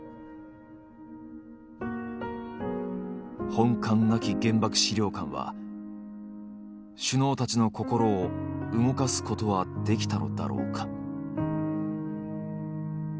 本館なき原爆資料館は首脳たちの心を動かすことはできたのだろうか？